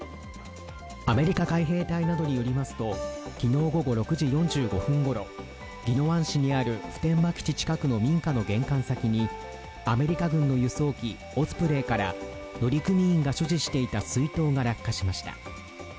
アメリカ海兵隊などによりますと昨日午後６時４５分ごろ宜野湾市にある普天間基地近くの民家の玄関先に、アメリカ軍の輸送機オスプレイから乗組員が所持していた水筒が落下しました。